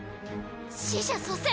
死者蘇生。